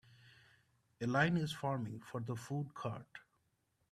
A line is forming for the food cart.